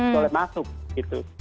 boleh masuk gitu